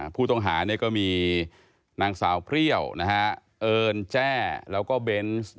ผู้ต้องหาก็มีนางสาวเปรี้ยวเอิญแจ้แล้วก็เบนส์